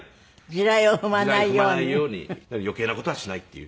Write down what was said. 地雷を踏まないように余計な事はしないっていう。